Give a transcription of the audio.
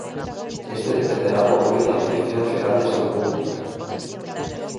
Este dependerá do apoio da Dirección Xeral de Saúde Pública.